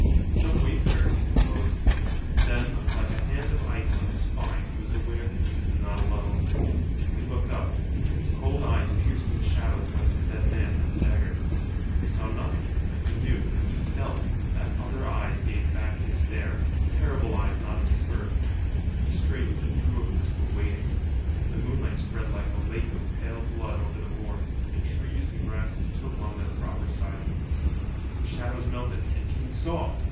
Some wayfarer, he supposed. Then like a hand of ice on his spine he was aware that he was not alone. He looked up, his cold eyes piercing the shadows whence the dead man had staggered. He saw nothing, but he knew — he felt—that other eyes gave back his stare, terrible eyes not of this earth. He straightened and drew a pistol, waiting. The moonlight spread like a lake of pale blood over the moor, and trees and grasses took on their proper sizes. The shadows melted, and Kane saw!